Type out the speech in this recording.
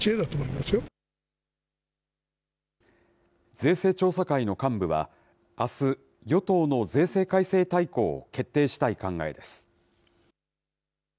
税制調査会の幹部は、あす、与党の税制改正大綱を決定したい考えです。